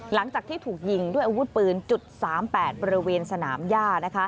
หลังจากที่ถูกยิงด้วยอาวุธปืน๓๘บริเวณสนามย่า